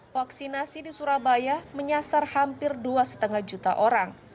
vaksinasi di surabaya menyasar hampir dua lima juta orang